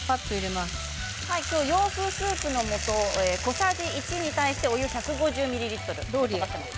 洋風スープのもと小さじ１に対してお湯が１５０ミリリットルです。